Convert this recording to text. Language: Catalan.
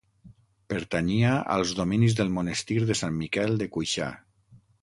Pertanyia als dominis del monestir de Sant Miquel de Cuixà.